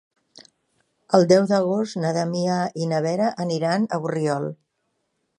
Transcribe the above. El deu d'agost na Damià i na Vera aniran a Borriol.